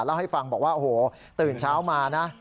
เล่าให้ฟังบอกว่าโอ้โหตื่นเช้ามานะ